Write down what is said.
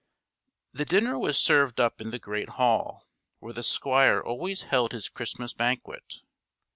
[H] The dinner was served up in the great hall, where the Squire always held his Christmas banquet.